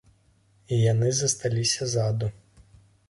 І яны засталіся ззаду.